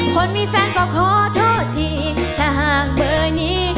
คนมีแฟนก็ขอโทษทีถ้าหากเบอร์นี้